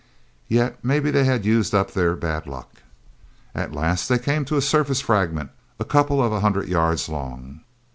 Yet maybe they had used up their bad luck. At last they came to a surface fragment a couple of hundred yards long.